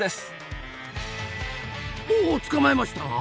おおっ捕まえましたな！